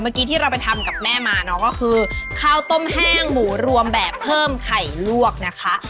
ที่เราไปทำกับแม่มาเนาะก็คือข้าวต้มแห้งหมูรวมแบบเพิ่มไข่ลวกนะคะ